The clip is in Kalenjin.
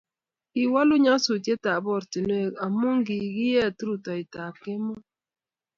kiwolu nyasutietab ortinwek amu kikiet rutoitab kemou